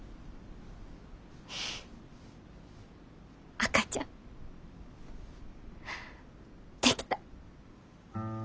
赤ちゃんできた。